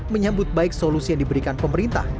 menyambut baik solusi yang diberikan pemerintah